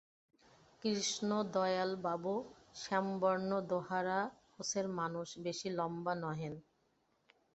কৃষ্ণদয়ালবাবু শ্যামবর্ণ দোহারা-গোছের মানুষ, বেশি লম্বা নহেন।